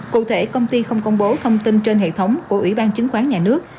cụ thể công ty không công bố thông tin trên hệ thống của ủy ban chứng khoán nhà nước